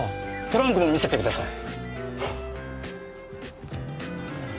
トランクも見せてください。